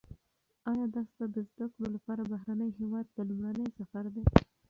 ایا دا ستا د زده کړو لپاره بهرني هیواد ته لومړنی سفر دی؟